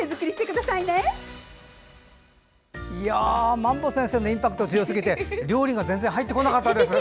まんぼ先生のインパクトが強すぎて料理が全然入ってこなかったです。